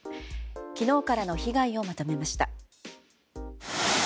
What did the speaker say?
昨日からの被害をまとめました。